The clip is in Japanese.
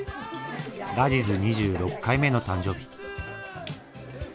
ラジズ２６回目の誕生日。